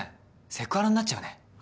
セクハラになっちゃうね。